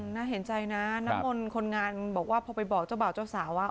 น่าเห็นใจนะน้ำมนต์คนงานบอกว่าพอไปบอกเจ้าบ่าวเจ้าสาวว่า